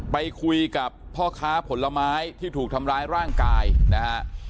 ไปคุยกับพ่อค้าผลไม้ที่ถูกทำร้ายร่างกายนะฮะ